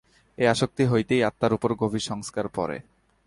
এই আসক্তি হইতেই আত্মার উপর গভীর সংস্কার পড়ে।